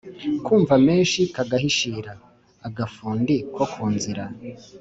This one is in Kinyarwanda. Kwumva menshi kagahishira.-Agafundi ko ku nzira.